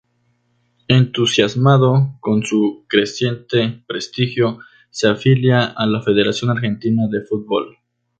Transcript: Entusiasmado con su creciente prestigio se afilia a la Federación Argentina de Football.